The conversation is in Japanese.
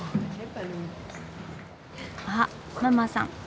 あママさん。